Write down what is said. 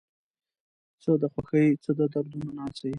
څه د خوښۍ څه د دردونو ناڅي